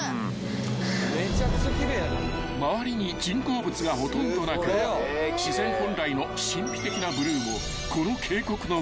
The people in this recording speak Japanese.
［周りに人工物がほとんどなく自然本来の神秘的なブルーもこの渓谷の魅力］